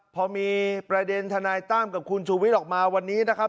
พอมีประเด็นทนายตั้มกับคุณชูวิทย์ออกมาวันนี้นะครับ